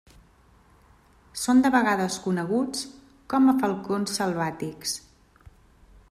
Són de vegades coneguts com a falcons selvàtics.